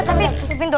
eh tapi pintu